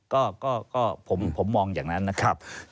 ก็ผมมองอย่างนั้นนะครับ